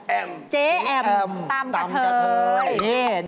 แอมจ๊ะแอมตามกับเธอ